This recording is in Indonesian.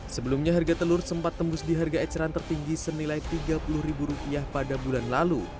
sebelumnya harga telur sempat tembus di harga eceran tertinggi senilai rp tiga puluh pada bulan lalu